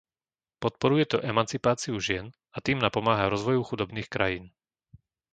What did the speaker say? Podporuje to emancipáciu žien a tým napomáha rozvoju chudobných krajín.